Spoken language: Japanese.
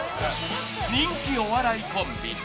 人気お笑いコンビ